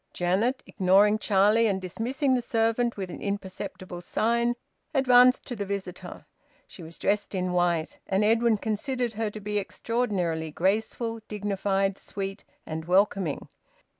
Janet, ignoring Charlie and dismissing the servant with an imperceptible sign, advanced to the visitor. She was dressed in white, and Edwin considered her to be extraordinarily graceful, dignified, sweet, and welcoming.